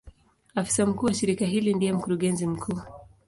Afisa mkuu wa shirika hili ndiye Mkurugenzi mkuu.